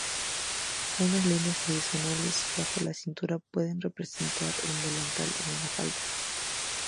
Unas líneas adicionales bajo la cintura pueden representar un delantal o falda.